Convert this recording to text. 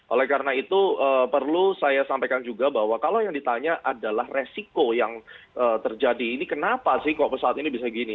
oleh karena itu perlu saya sampaikan juga bahwa kalau yang ditanya adalah resiko yang terjadi ini kenapa sih kok pesawat ini bisa gini